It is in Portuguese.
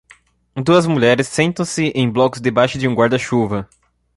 Duas mulheres sentam-se em blocos debaixo de um guarda-chuva.